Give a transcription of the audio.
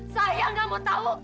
saya gak mau tau